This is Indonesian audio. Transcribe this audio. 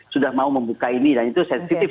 sudah mau membuka ini dan itu sensitif